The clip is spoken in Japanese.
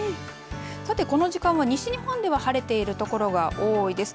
さて、この時間は西日本では晴れている所が多いです。